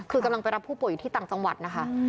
คือกำลังไปรับผู้ป่วยอยู่ที่ต่างจังหวัดนะคะ